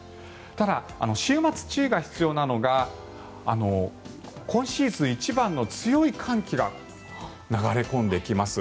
ただ、週末注意が必要なのが今シーズン一番の強い寒気が流れ込んできます。